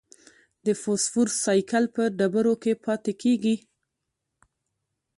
د فوسفورس سائیکل په ډبرو کې پاتې کېږي.